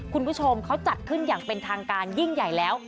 คุณผู้ชมเขาจัดขึ้นอย่างเป็นทางการยิ่งใหญ่แล้ว